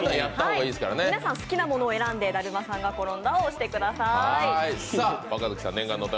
皆さん、好きなものを選んでだるまさんがころんだをしてください。